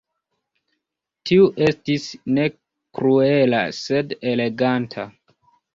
Tiu estis ne kruela, sed eleganta.